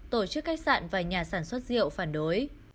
tổ chức khách sạn và nhà sản xuất rượu phản đối